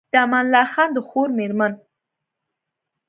د امان الله خان د خور مېرمن